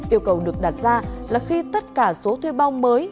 yêu cầu được đặt ra là khi tất cả số thuê bao mới